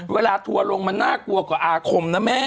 ทัวร์ลงมันน่ากลัวกว่าอาคมนะแม่